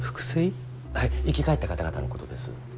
生き返った方々のことです。